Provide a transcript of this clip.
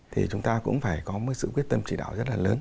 thì chúng ta cũng phải có một sự quyết tâm chỉ đạo rất là lớn